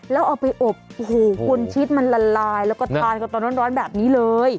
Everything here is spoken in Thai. แล้วเอาไปอบโอ้โหคุณชิดมันละลายแล้วก็ทานกันตอนร้อนแบบนี้เลย